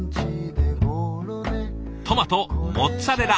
トマトモッツァレラ